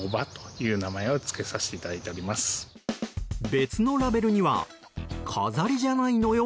別のラベルには「飾りじゃないのよ